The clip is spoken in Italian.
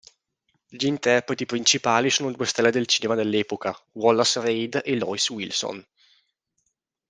Gli interpreti principali sono due stelle del cinema dell'epoca, Wallace Reid e Lois Wilson.